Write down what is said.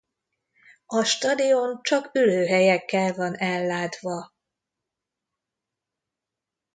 A stadion csak ülőhelyekkel van ellátva.